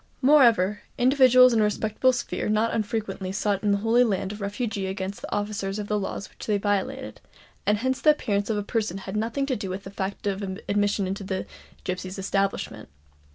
Moreover, individuals in a respectable sphere not unfrequently sought in the Holy Land a refuge against the officers of the laws which they violated; and hence the appearance of a person had nothing to do with the fact of admission into the gipsies' establishment.